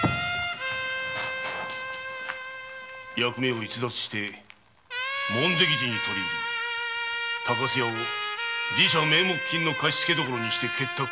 役目を逸脱して門跡寺に取り入り高須屋を寺社名目金の貸付所にして結託。